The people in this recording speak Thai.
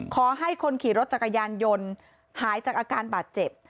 ขอให้คนขี่รถจักรยานยนต์หายจากอาการบาดเจ็บ